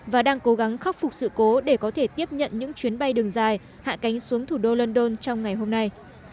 và đang cố gắng khắc phục sự cố để có thể tiếp nhận những chuyến bay đường dài hạ cánh xuống thủ đô london trong ngày hôm nay